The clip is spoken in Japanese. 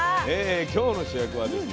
今日の主役はですね